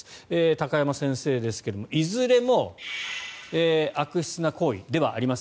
高山先生ですが、いずれも悪質な行為ではあります。